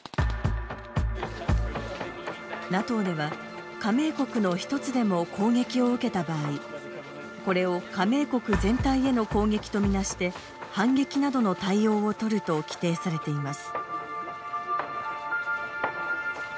ＮＡＴＯでは加盟国の１つでも攻撃を受けた場合これを加盟国全体への攻撃とみなして反撃などの対応をとると規定されています。